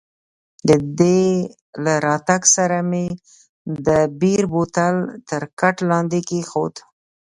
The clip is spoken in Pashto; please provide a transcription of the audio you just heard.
د دې له راتګ سره مې د بیر بوتل تر کټ لاندې کښېښود.